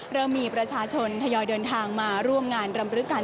เริ่มมีประชาชนทยอยเดินทางมาร่วมงานรำลึกกัน